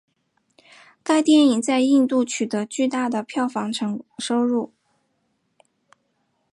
该电影在印度取得巨大的票房收入。